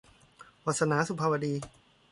วาสนา - สุภาวดี